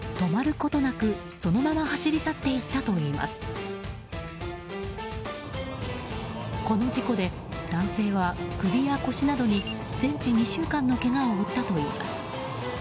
この事故で男性は首や腰などに全治２週間のけがを負ったといいます。